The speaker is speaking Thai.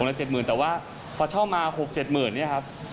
องค์ละ๗๐๐๐๐แต่ว่าพอเช่ามาครบ๗๐๐๐๐เนี่ยครับ